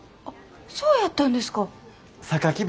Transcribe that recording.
あっそうやったんですか。